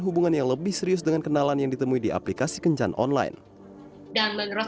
hubungan yang lebih serius dengan kenalan yang ditemui di aplikasi kencan online dan menyerah